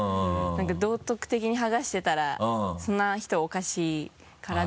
何か道徳的に剥がしてたらそんな人おかしいから。